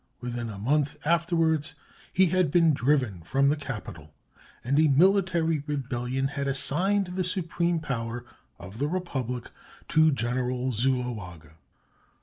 Within a month afterwards he had been driven from the capital and a military rebellion had assigned the supreme power of the Republic to General Zuloaga.